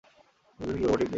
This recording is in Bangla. বুঝলেন কি করে, মোটিভ নেই?